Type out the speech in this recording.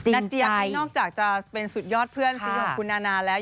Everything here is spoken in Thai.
อันนี้นอกจากจะเป็นสุดยอดเพื่อนซีของคุณนานาแล้ว